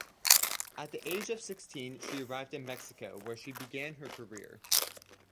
At the age of sixteen, she arrived in Mexico, where she began her career.